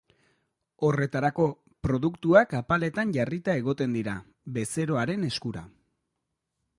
Horretarako, produktuak apaletan jarrita egoten dira, bezeroaren eskura.